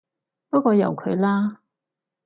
不過由佢啦